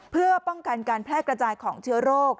เพื่อป้องกันการแพร่กระจายของเชื้อโรค